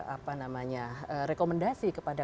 apa namanya rekomendasi kepada